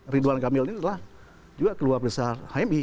ridwan kamil ini adalah juga keluarga besar hmi